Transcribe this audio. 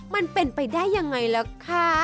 มันเป็นไปได้ยังไงล่ะคะ